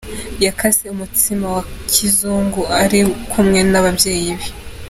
Yakase umutsima wa kizungu ari kumwe n'ababyeyi be.